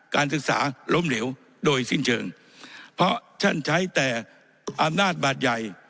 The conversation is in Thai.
การศึกษาล้มเหลวโดยสิ้นเชิงเพราะท่านใช้แต่อำนาจบาดใหญ่